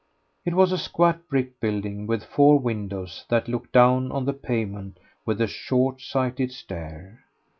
It was a squat brick building with four windows that looked down on the pavement with a short sighted stare.